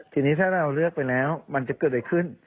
ทีนี้ถ้าเราเลือกไปแล้วมันจะเกิดอะไรขึ้น